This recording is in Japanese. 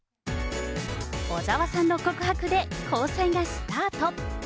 小澤さんの告白で交際がスタート。